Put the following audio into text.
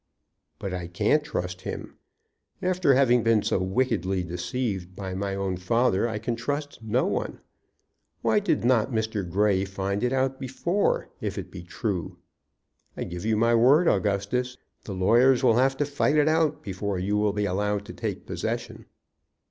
"But I can't trust him. After having been so wickedly deceived by my own father, I can trust no one. Why did not Mr. Grey find it out before, if it be true? I give you my word, Augustus, the lawyers will have to fight it out before you will be allowed to take possession."